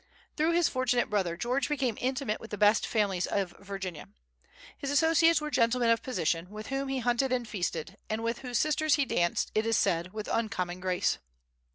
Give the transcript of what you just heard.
Through this fortunate brother, George became intimate with the best families in Virginia. His associates were gentlemen of position, with whom he hunted and feasted, and with whose sisters he danced, it is said, with uncommon grace.